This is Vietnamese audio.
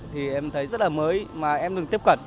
thì em thấy rất là mới mà em được tiếp cận